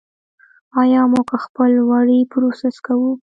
آیا موږ خپل وړۍ پروسس کوو؟